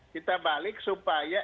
kita balik supaya